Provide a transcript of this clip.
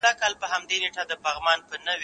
که وخت وي، ښوونځی ته ځم؟!